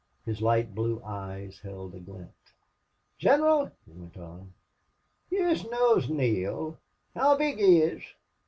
His light blue eyes held a glint. "Gineral," he went on, "yez know Neale. How big he is!